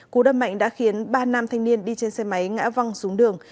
cú đâm mạnh đã khiến ba nam thanh niên đi trên xe máy ngã văng xuống đường